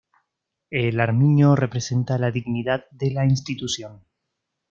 El armiño representa la dignidad de la institución.